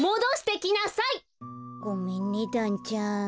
ごめんねだんちゃん。